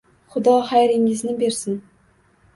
Xudo xayringizni bersin